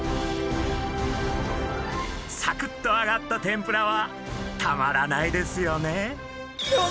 サクッとあがった天ぷらはたまらないですよね。